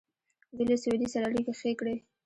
دوی له سعودي سره اړیکې ښې کړې.